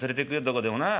どこでもな」。